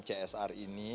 dalam csr ini